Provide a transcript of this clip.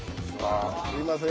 すいません。